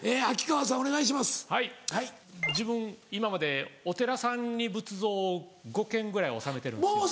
はい自分今までお寺さんに仏像を５軒ぐらい納めてるんですよ。